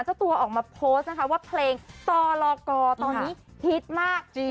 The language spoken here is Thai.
เจ้าตัวออกมาโพสต์นะคะว่าเพลงต่อลอกอตอนนี้ฮิตมาก